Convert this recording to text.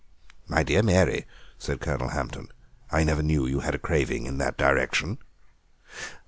"My dear Mary," said Colonel Hampton, "I never knew you had a craving in that direction."